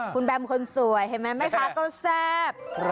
คุณแบมคนสวยเห็นมั้ยไหมคะก็แซ่บ